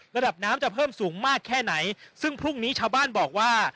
ระดับน้ำจะเพิ่มสูงมากแค่ไหนซึ่งพรุ่งนี้ชาวบ้านบอกว่า